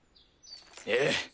ええ！